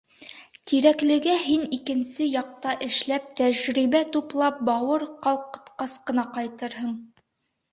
Тирәклегә һин икенсе яҡта эшләп, тәжрибә туплап, бауыр ҡалҡытҡас ҡына ҡайтырһың.